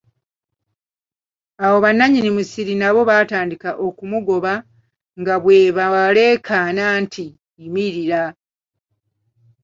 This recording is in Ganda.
Awo bananyini musiri nabo baatandika okumugoba, nga bwe baleekaana nti, yimirira!